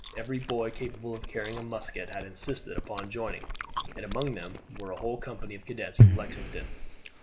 Every boy capable of carrying a musket had insisted upon joining, and among them were a whole company of cadets from Lexington.